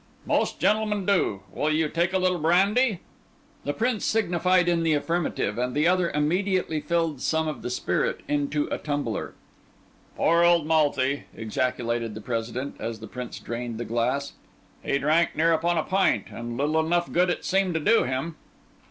"Most gentlemen do. Will you take a little brandy?" The Prince signified in the affirmative, and the other immediately filled some of the spirit into a tumbler. "Poor old Malthy!" ejaculated the President, as the Prince drained the glass. "He drank near upon a pint, and little enough good it seemed to do him!"